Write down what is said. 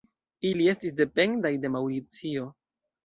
Ili estis dependaj de Maŭricio.